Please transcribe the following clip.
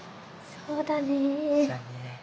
そうだね。